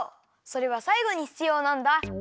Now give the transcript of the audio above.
それはさいごにひつようなんだ。